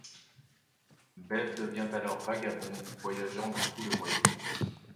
Bev devient alors vagabond, voyageant dans tout le Royaume-Uni.